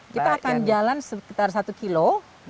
kita akan jalan sekitar satu kilo